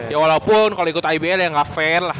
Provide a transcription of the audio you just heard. ya walaupun kalo ikut ibl ya ga fair lah